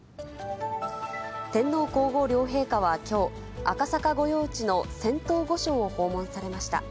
天皇皇后両陛下はきょう、赤坂御用地の仙洞御所を訪問されました。